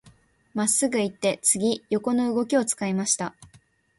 真っすぐ行って、次、横の動きを使いました。